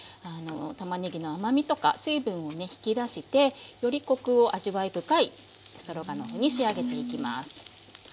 たまねぎの甘みとか水分をね引き出してよりコクを味わい深いストロガノフに仕上げていきます。